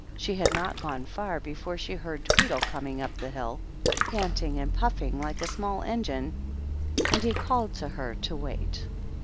She had not gone far before she heard Tweedle coming uj i?^*iS>^ the hill, panting and puffing like a small engint and he called to her to wait.